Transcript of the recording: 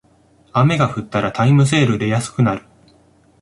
雨が降ったらタイムセールで安くなる